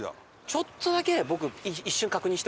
ちょっとだけ僕。